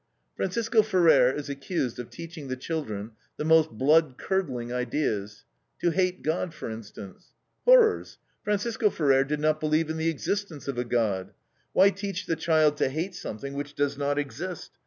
Francisco Ferrer is accused of teaching the children the most blood curdling ideas, to hate God, for instance. Horrors! Francisco Ferrer did not believe in the existence of a God. Why teach the child to hate something which does not exist?